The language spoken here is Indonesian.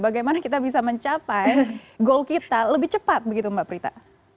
bagaimana kita bisa mencapai goal kita lebih cepat begitu mbak prita